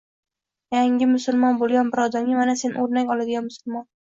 yangi musulmon bo'lgan bir odamga «mana sen o'rnak oladigan musulmon»